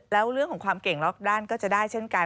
แล้วเรื่องของความเก่งรอบด้านก็จะได้เช่นกัน